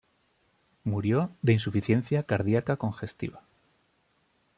Murió de insuficiencia cardíaca congestiva.